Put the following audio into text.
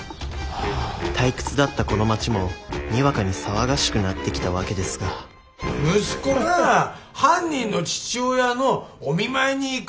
退屈だったこの町もにわかに騒がしくなってきたわけですが息子が犯人の父親のお見舞いに行くなんつったら。